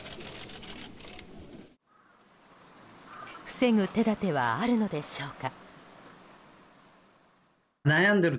防ぐ手立てはあるのでしょうか。